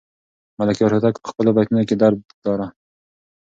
ملکیار هوتک په خپلو بیتونو کې درد لاره.